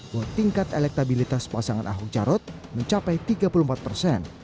bahwa tingkat elektabilitas pasangan ahok jarot mencapai tiga puluh empat persen